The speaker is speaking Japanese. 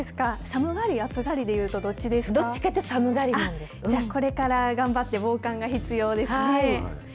寒がり、暑がりでいうと、どっちどっちかというと、寒がりなじゃあ、これから頑張って防寒が必要ですね。